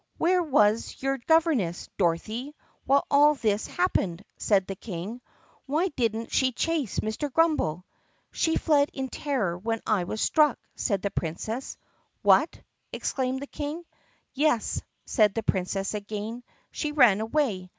"Where was your governess, Dorothy, while all this happened?" asked the King. "Why didn't she chase Mr. Grummbel?" "She fled in terror when I was struck," said the Princess. "What!" exclaimed the King. "Yes," said the Princess again, "she ran away.